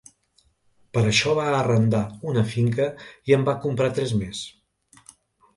Per això va arrendar una finca i en va comprar tres més.